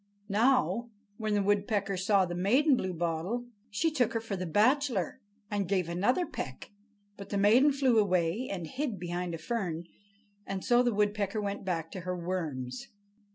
Now, when the woodpecker saw the maiden Bluebottle, she took her for the bachelor, and gave another peck. But the maiden flew away and hid behind a fern, and so the woodpecker went back to her worms.